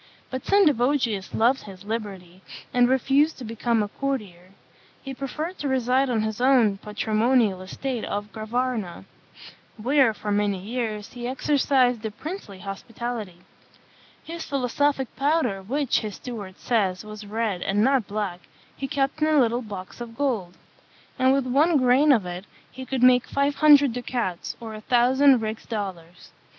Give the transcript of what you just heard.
But Sendivogius loved his liberty, and refused to become a courtier. He preferred to reside on his own patrimonial estate of Gravarna, where, for many years, he exercised a princely hospitality. His philosophic powder, which, his steward says, was red, and not black, he kept in a little box of gold; and with one grain of it he could make five hundred ducats, or a thousand rix dollars.